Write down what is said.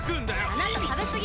あなた食べすぎよ！